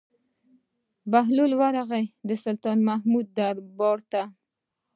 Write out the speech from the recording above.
بهلول ورغى د سلطان محمود دربار ته.